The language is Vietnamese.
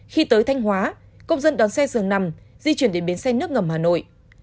khi tới thanh hóa công dân đón xe dường nằm di chuyển đến bến xe nước ngầm hà nội